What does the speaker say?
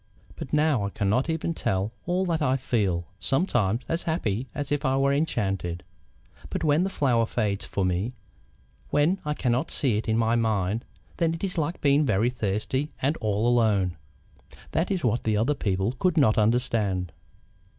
But now I cannot even tell all that I feel sometimes as happy as if I were enchanted. But when the flower fades from me, when I cannot see it in my mind, then it is like being very thirsty and all alone. That is what the other people could not understand.